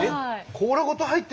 えっ？